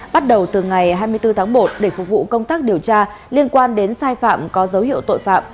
bắt đầu từ ngày hai mươi bốn tháng một để phục vụ công tác điều tra liên quan đến sai phạm có dấu hiệu tội phạm